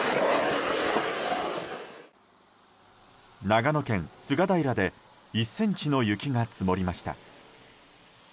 長野県菅平で１ｃｍの雪が積もりました。